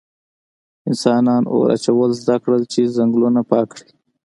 انسانان اور اچول زده کړل چې ځنګلونه پاک کړي.